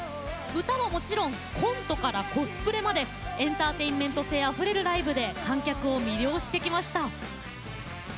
歌はもちろんコントからコスプレまでエンターテインメント性あふれるライブで観客を魅了してきました。